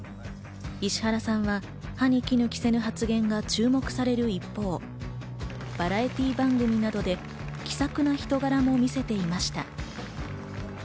石原さんは歯に衣着せぬ発言が注目される一方、バラエティー番組などで気さくな人柄も見せていました。